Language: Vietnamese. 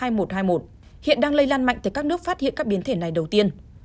hiện đang lây lan mạnh tới các nước phát hiện các biến thể này đầu tiên